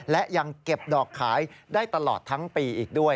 และยังเก็บดอกขายได้ตลอดทั้งปีอีกด้วย